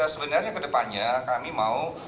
sebenarnya kedepannya kami mau